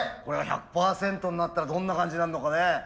これが１００％になったらどんな感じになんのかね。